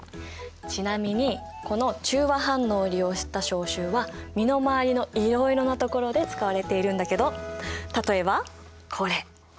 ちなみにこの中和反応を利用した消臭は身の回りのいろいろな所で使われているんだけど例えばこれ。